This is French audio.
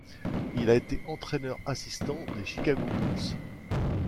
Il a été entraîneur assistant des Chicago Bulls.